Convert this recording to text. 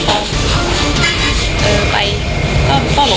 สวัสดีครับทุกคน